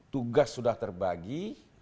tugas sudah terbagi